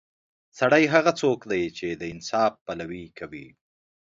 سړی هغه څوک دی چې د انصاف پلوي کوي.